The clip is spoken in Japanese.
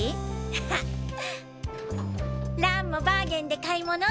アハッ蘭もバーゲンで買い物？